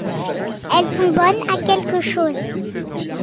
Elles sont bonnes à quelque chose